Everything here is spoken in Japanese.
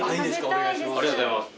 お願いします。